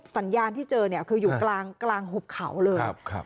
สัญญาณที่เจอเนี่ยคืออยู่กลางหุบเขาเลย